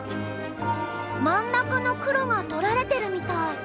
真ん中の黒が取られてるみたい。